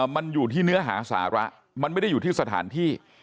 มันอยู่ที่เนื้อหาสาระมันไม่ได้อยู่ที่สถานที่